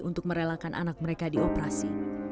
untuk merelakan anak mereka di operasi